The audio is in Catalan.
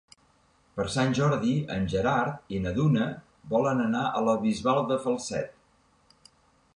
Per Sant Jordi en Gerard i na Duna volen anar a la Bisbal de Falset.